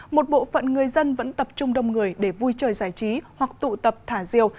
một bộ phận người dân vẫn tập trung đông người để vui chơi giải trí hoặc tụ tập thả diều